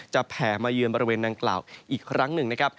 แผ่มาเยือนบริเวณดังกล่าวอีกครั้งหนึ่งนะครับ